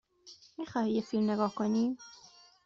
می خواهی یک فیلم نگاه کنی؟